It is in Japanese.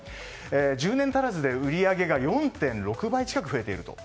１０年足らずで売り上げが４．６倍近く増えていると。